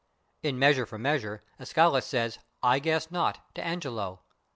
In "Measure for Measure" Escalus says "I /guess/ not" to Angelo.